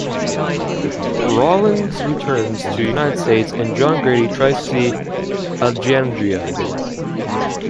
Rawlins returns to the United States and John Grady tries to see Alejandra again.